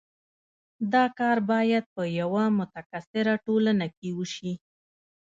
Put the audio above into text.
دا کار باید په یوه متکثره ټولنه کې وشي.